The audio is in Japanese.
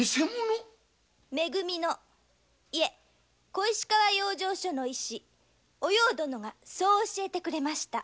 め組のイェ小石川養生所の医師・お葉殿がニセモノだと教えてくれました。